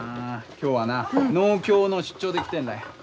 今日はな農協の出張で来てんらよ。